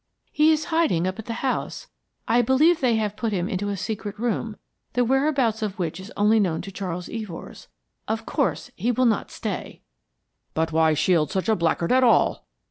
"He is hiding up at the house. I believe they have put him into a secret room, the whereabouts of which is known only to Charles Evors. Of course, he will not stay." "But why shield such a blackguard at all?"